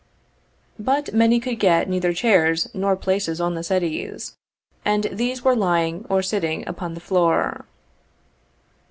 But many could get neither chairs nor places on the settees, and these were lying or sitting upon the floor.